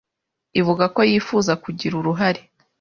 ivuga ko yifuza kugira uruhare